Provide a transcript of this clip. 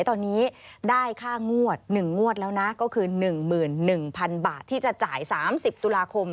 ตอนนี้ได้ค่างวด๑งวดแล้วนะก็คือ๑๑๐๐๐บาทที่จะจ่าย๓๐ตุลาคม